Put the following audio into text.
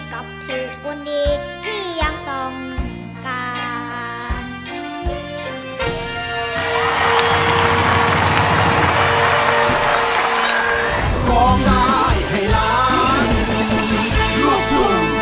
กับเธอคนดีที่ยังต้องการ